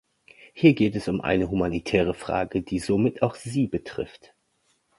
Hier geht es um eine humanitäre Frage, die somit auch Sie betrifft.